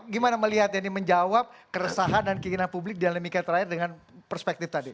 gimana melihat ini menjawab keresahan dan keinginan publik di alami terakhir dengan perspektif tadi